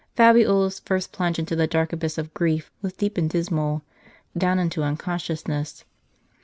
ffi Fabiola's first plunge into the dark abyss of grief was deep and dismal, down into unconsciousness.